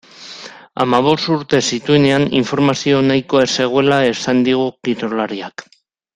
Hamabost urte zituenean informazio nahikoa ez zegoela esan digu kirolariak.